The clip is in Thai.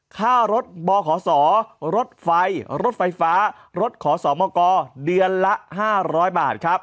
ค่ารถบขศรถไฟฟ้ารถขศมกเดือนละ๕๐๐บาท